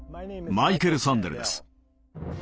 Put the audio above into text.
マイケル・サンデルです。